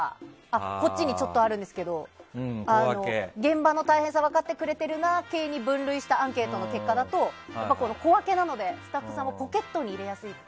こっちにあるんですけど現場の大変さを分かってくれているな系に分類したアンケートの結果だと小分けなのでスタッフさんもポケットに入れやすい。